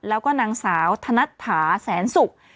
แล้วก็นางสาวธนัดถาแสนศุกร์